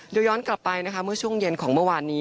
เดี๋ยวย้อนกลับไปนะคะเมื่อช่วงเย็นของเมื่อวานนี้